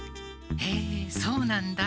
へえそうなんだ。